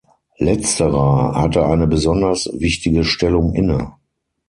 Letzterer hatte eine besonders wichtige Stellung inne.